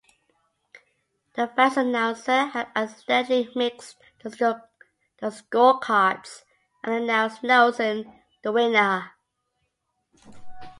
The fight's announcer had accidentally mixed the scorecards and announced Nelson the winner.